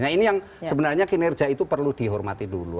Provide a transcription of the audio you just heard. nah ini yang sebenarnya kinerja itu perlu dihormati dulu